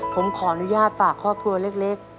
ผมขออนุญาตฝากครอบครัวเล็ก